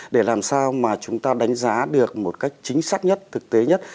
để làm sao mà chúng ta đánh giá được một cách chính xác nhất thực tế nhất